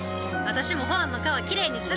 私もホアンの川きれいにする！